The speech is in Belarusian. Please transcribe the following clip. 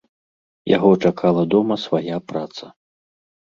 Яго чакала дома свая праца.